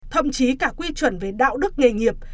thậm chí cả quy chuẩn về đạo đức nghề nghiệp